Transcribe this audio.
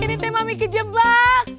ini teh mami kejebak